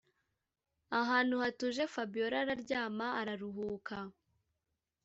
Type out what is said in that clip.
ahantu hatuje fabiora araryama araruhuka.